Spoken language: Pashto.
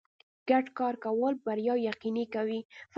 ګډ کار کول بریا یقیني کوي.